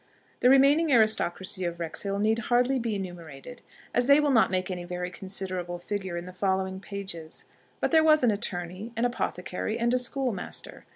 The remaining aristocracy of Wrexhill need hardly be enumerated, as they will not make any very considerable figure in the following pages. But there was an attorney, an apothecary, and a schoolmaster.